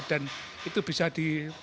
dan itu bisa diperoleh